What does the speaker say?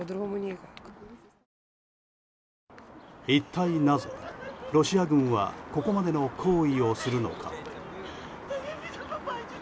一体なぜ、ロシア軍はここまでの行為をするのか。